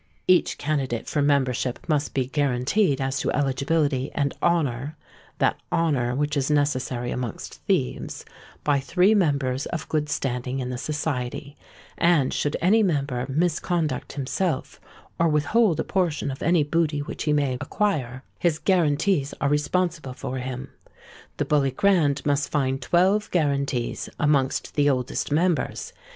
Each candidate for membership must be guaranteed as to eligibility and honour (that honour which is necessary amongst thieves) by three members of good standing in the society; and should any member misconduct himself, or withhold a portion of any booty which he may acquire, his guarantees are responsible for him. The Bully Grand must find twelve guarantees amongst the oldest members.